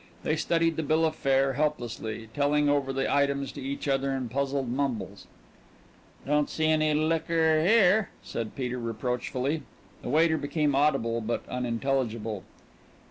They studied the bill of fare helplessly, telling over the items to each other in puzzled mumbles. "Don't see any liquor here," said Peter reproachfully. The waiter became audible but unintelligible.